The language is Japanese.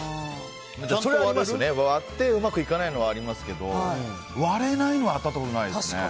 ちゃんと割ってうまくいかないのはありますけど割れないのは当たったことないですね。